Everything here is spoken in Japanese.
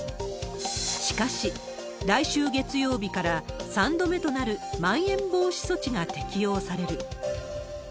しかし、来週月曜日から、３度目となるまん延防止措置が適用される。